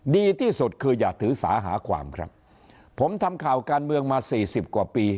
ดีที่สุดคืออย่าถือสาหาความครับผมทำข่าวการเมืองมาสี่สิบกว่าปี